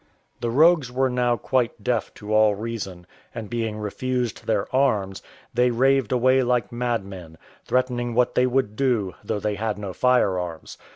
The rogues were now quite deaf to all reason, and being refused their arms, they raved away like madmen, threatening what they would do, though they had no firearms.